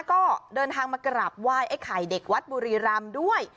ก็เดินทางมากราบไหว้ไอ้ไข่เด็กวัดบุรีรำด้วย